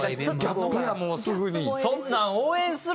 ギャップやもうすぐに。